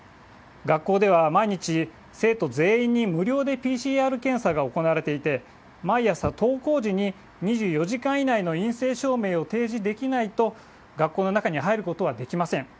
学校では毎日、生徒全員に無料でＰＣＲ検査が行われていて、毎朝登校時に２４時間以内の陰性証明を提示できないと、学校の中に入ることはできません。